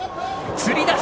つり出し。